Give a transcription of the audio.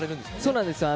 そうなんですよ。